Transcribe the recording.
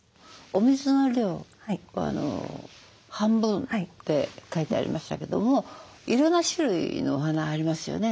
お水の量は半分って書いてありましたけどもいろんな種類のお花ありますよね。